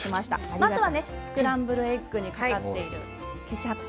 まずはスクランブルエッグにかかっているケチャップ。